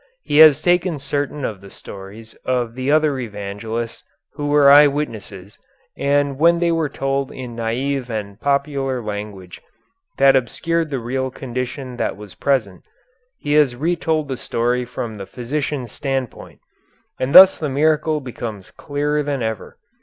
He has taken certain of the stories of the other Evangelists who were eye witnesses, and when they were told in naïve and popular language that obscured the real condition that was present, he has retold the story from the physician's standpoint, and thus the miracle becomes clearer than ever.